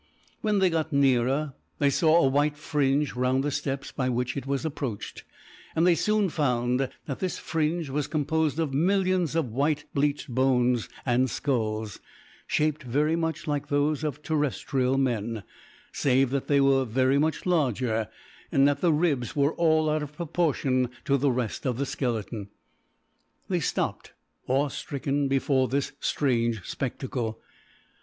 When they got nearer they saw a white fringe round the steps by which it was approached, and they soon found that this fringe was composed of millions of white bleached bones and skulls, shaped very much like those of terrestrial men, save that they were very much larger, and that the ribs were out of all proportion to the rest of the skeleton. They stopped awe stricken before this strange spectacle.